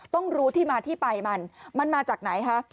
ต้องรู้ที่มาที่ไปมันมันมาจากไหนคะ